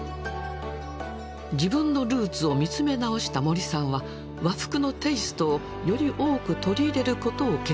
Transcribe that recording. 自分のルーツを見つめ直した森さんは和服のテイストをより多く取り入れることを決断します。